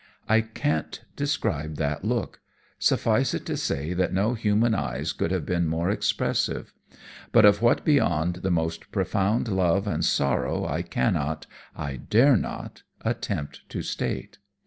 I can't describe that look; suffice it to say that no human eyes could have been more expressive, but of what beyond the most profound love and sorrow I cannot, I dare not, attempt to state.